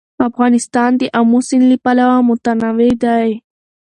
افغانستان د آمو سیند له پلوه متنوع دی.